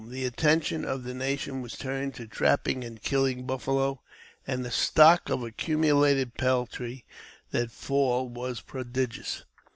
The attention of the nation was turned to trapping and killing buffalo, and the stock of accumulated peltry that fall was prodigious.